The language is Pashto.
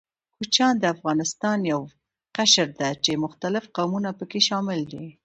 کوچيان د افغانستان يو قشر ده، چې مختلف قومونه پکښې شامل دي.